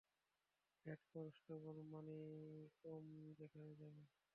Head constable Manikam সেখানে যাবে।